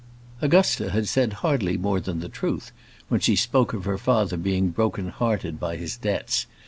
Augusta had said hardly more than the truth when she spoke of her father being broken hearted by his debts.